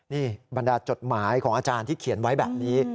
นี่บรรดาจดหมายของอาจารย์ที่เขียนไว้แบบนี้